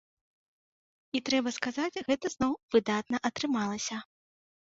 І трэба сказаць, гэта зноў выдатна атрымалася.